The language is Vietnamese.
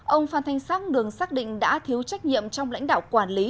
ông phan thanh sắc đường xác định đã thiếu trách nhiệm trong lãnh đạo quản lý